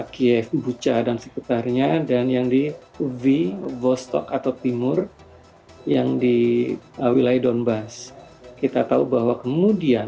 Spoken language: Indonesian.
kiev ubuca dan sekitarnya dan yang di uv vostok atau timur yang di wilayah donbas kita tahu bahwa kemudian